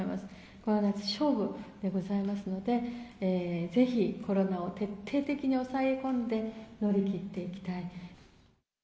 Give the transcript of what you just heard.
この夏が勝負でございますので、ぜひコロナを徹底的に抑え込んで、乗り切っていきたい。